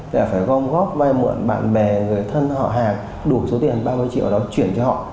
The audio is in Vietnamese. là phải gom góp vai muộn bạn bè người thân họ hàng đủ số tiền ba mươi triệu đó chuyển cho họ